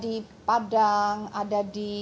di daerah lain juga ada